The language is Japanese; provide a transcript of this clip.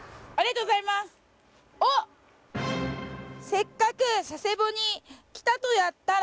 「せっかく佐世保に来たとやったら」